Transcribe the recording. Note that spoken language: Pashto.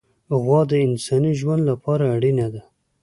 غوا د انساني ژوند لپاره اړینه ده.